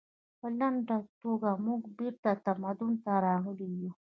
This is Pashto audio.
په لنډه توګه موږ بیرته تمدن ته راغلي یو